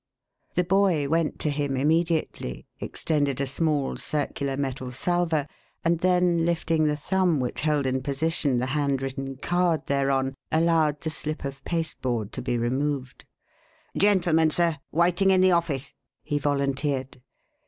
The boy went to him immediately, extended a small, circular metal salver, and then, lifting the thumb which held in position the hand written card thereon, allowed the slip of pasteboard to be removed. "Gentleman, sir waiting in the office," he volunteered.